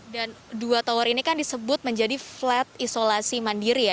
dan dua tower ini kan disebut menjadi flat isolasi mandiri ya